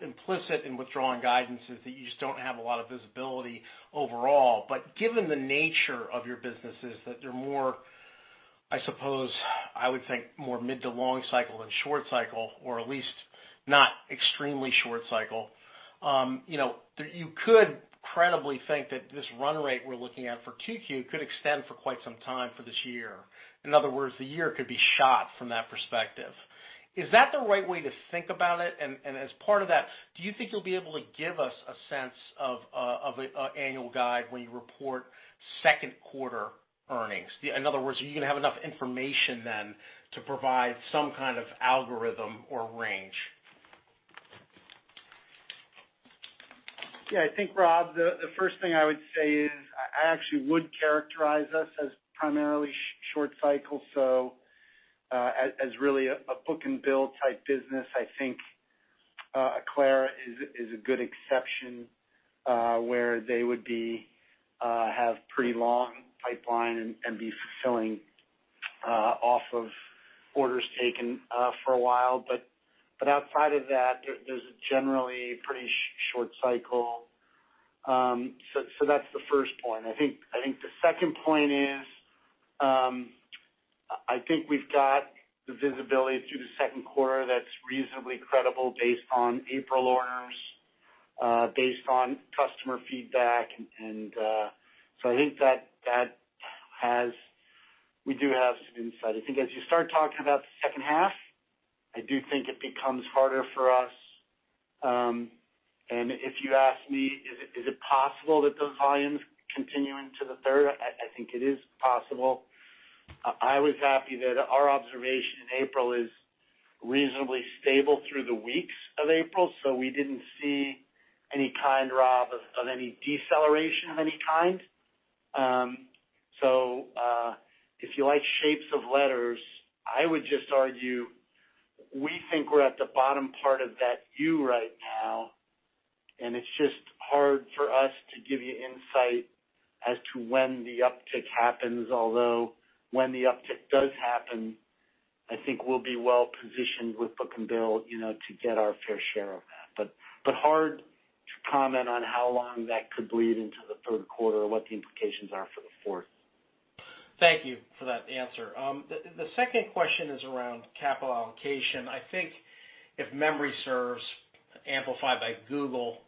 implicit in withdrawing guidance is that you just don't have a lot of visibility overall. Given the nature of your businesses, that they're more, I suppose, I would think more mid to long cycle than short cycle, or at least not extremely short cycle. You could credibly think that this run rate we're looking at for 2Q could extend for quite some time for this year. In other words, the year could be shot from that perspective. Is that the right way to think about it? As part of that, do you think you'll be able to give us a sense of an annual guide when you report second quarter earnings? In other words, are you going to have enough information then to provide some kind of algorithm or range? Yeah, I think, Rob, the first thing I would say is I actually would characterize us as primarily short cycle, so as really a book and build type business. I think Aclara is a good exception, where they would have pretty long pipeline and be fulfilling off of orders taken for a while. Outside of that, there's a generally pretty short cycle. That's the first point. I think the second point is, I think we've got the visibility through the second quarter that's reasonably credible based on April orders, based on customer feedback. I think that we do have some insight. I think as you start talking about the second half, I do think it becomes harder for us. If you ask me, is it possible that those volumes continue into the third? I think it is possible. I was happy that our observation in April is reasonably stable through the weeks of April, so we didn't see any kind, Rob, of any deceleration of any kind. If you like shapes of letters, I would just argue, we think we're at the bottom part of that U right now, and it's just hard for us to give you insight as to when the uptick happens. Although when the uptick does happen, I think we'll be well positioned with book and bill to get our fair share of that. Hard to comment on how long that could bleed into the third quarter or what the implications are for the fourth. Thank you for that answer. The second question is around capital allocation. I think if memory serves, amplified by Google,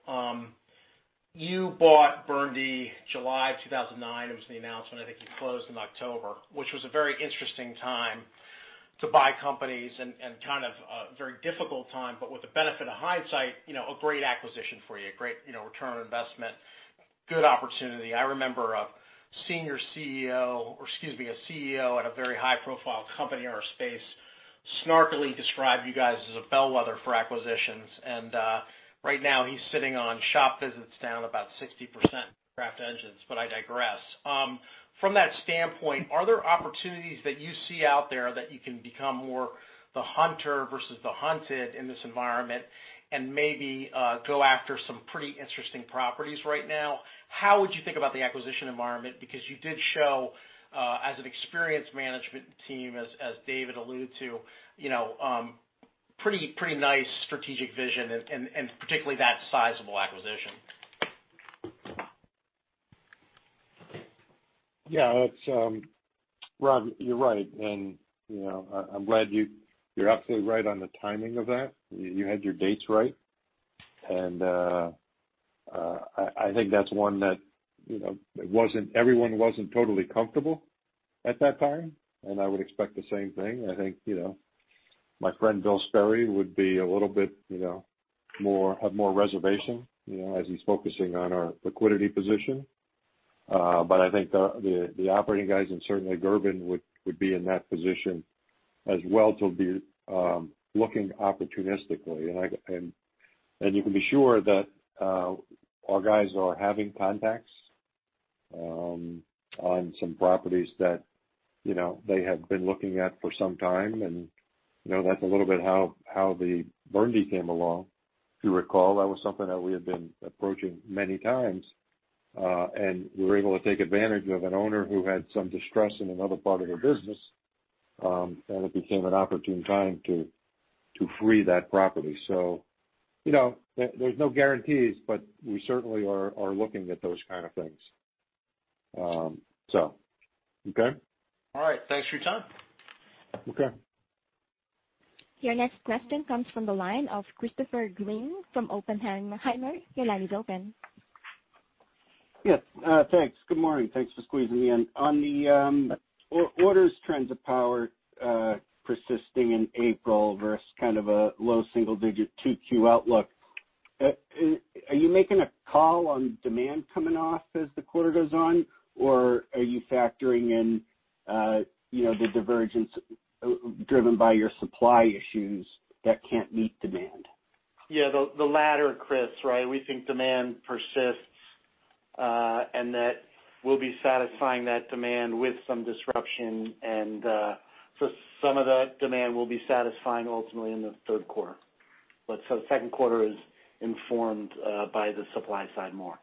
you bought Burndy July 2009. It was the announcement, I think you closed in October, which was a very interesting time to buy companies and kind of a very difficult time, but with the benefit of hindsight, a great acquisition for you, a great return on investment, good opportunity. I remember a CEO at a very high-profile company in our space snarkily describe you guys as a bellwether for acquisitions, and right now he's sitting on shop visits down about 60% craft engines, but I digress. From that standpoint, are there opportunities that you see out there that you can become more the hunter versus the hunted in this environment and maybe go after some pretty interesting properties right now? How would you think about the acquisition environment? Because you did show, as an experienced management team, as David alluded to, pretty nice strategic vision and particularly that sizable acquisition. Yeah, Rob, you're right. I'm glad you're absolutely right on the timing of that. You had your dates right. I think that's one that everyone wasn't totally comfortable at that time, and I would expect the same thing. I think my friend Bill Sperry would have more reservation, as he's focusing on our liquidity position. I think the operating guys, and certainly Gerben, would be in that position as well to be looking opportunistically. You can be sure that our guys are having contacts on some properties that they have been looking at for some time. That's a little bit how the Burndy came along. If you recall, that was something that we had been approaching many times. We were able to take advantage of an owner who had some distress in another part of their business, and it became an opportune time to free that property. There's no guarantees, but we certainly are looking at those kind of things. Okay? All right. Thanks for your time. Okay. Your next question comes from the line of Christopher Glynn from Oppenheimer. Your line is open. Yes. Thanks. Good morning. Thanks for squeezing me in. On the orders trends of Power persisting in April versus kind of a low single-digit 2Q outlook, are you making a call on demand coming off as the quarter goes on, or are you factoring in the divergence driven by your supply issues that can't meet demand? Yeah, the latter, Chris, right? We think demand persists, and that we'll be satisfying that demand with some disruption. Some of that demand we'll be satisfying ultimately in the third quarter. The second quarter is informed by the supply side more.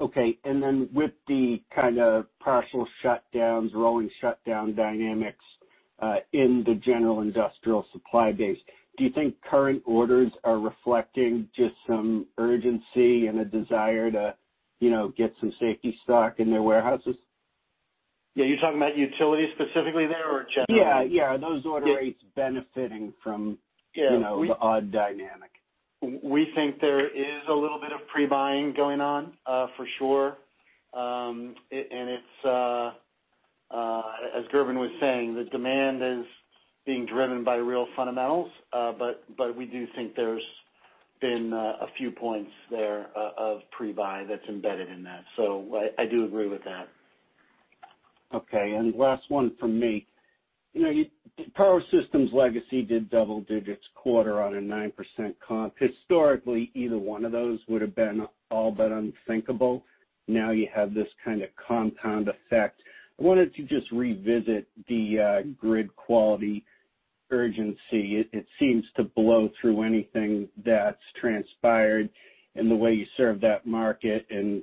Okay. With the kind of partial shutdowns, rolling shutdown dynamics in the general industrial supply base, do you think current orders are reflecting just some urgency and a desire to get some safety stock in their warehouses? Yeah. Are you talking about utility specifically there or generally? Yeah. Are those order rates benefiting from the odd dynamic? We think there is a little bit of pre-buying going on, for sure. As Gerben was saying, the demand is being driven by real fundamentals, we do think there's been a few points there of pre-buy that's embedded in that. I do agree with that. Okay. Last one from me. Power Systems legacy did double digits quarter on a 9% comp. Historically, either one of those would've been all but unthinkable. Now you have this kind of compound effect. I wanted to just revisit the grid quality urgency. It seems to blow through anything that's transpired and the way you serve that market in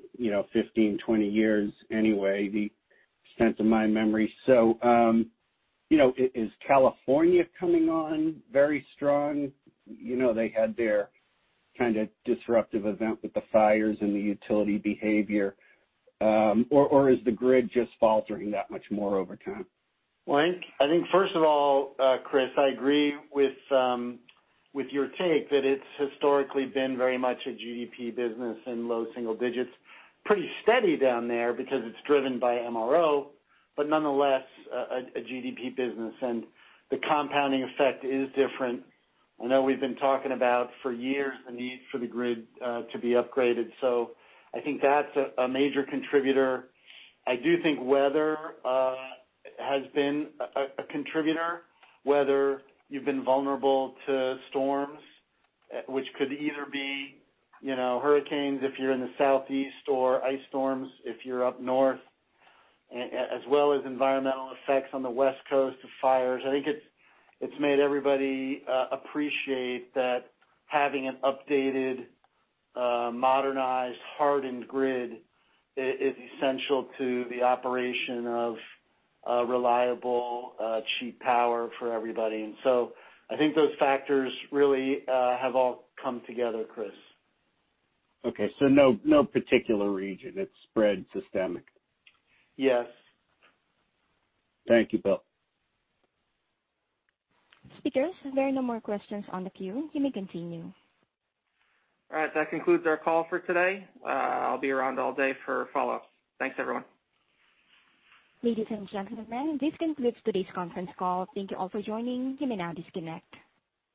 15, 20 years anyway, the sense of my memory. Is California coming on very strong? They had their kind of disruptive event with the fires and the utility behavior. Is the grid just faltering that much more over time? I think first of all, Chris, I agree with your take that it's historically been very much a GDP business in low single digits. Pretty steady down there because it's driven by MRO, but nonetheless a GDP business. The compounding effect is different. I know we've been talking about for years the need for the grid to be upgraded. I think that's a major contributor. I do think weather has been a contributor, whether you've been vulnerable to storms, which could either be hurricanes if you're in the Southeast or ice storms if you're up north, as well as environmental effects on the West Coast of fires. I think it's made everybody appreciate that having an updated, modernized, hardened grid is essential to the operation of reliable cheap power for everybody. I think those factors really have all come together, Chris. Okay. No particular region. It's spread systemic. Yes. Thank you, Bill. Speakers, there are no more questions on the queue. You may continue. All right. That concludes our call for today. I'll be around all day for follow-ups. Thanks, everyone. Ladies and gentlemen, this concludes today's conference call. Thank you all for joining. You may now disconnect.